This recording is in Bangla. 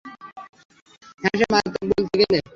হ্যাঁ, সে মারাত্মক বলতে গেলে!